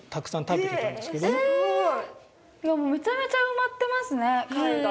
めちゃめちゃ埋まってますね貝が。